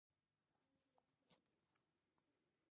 ازادي راډیو د بهرنۍ اړیکې ته پام اړولی.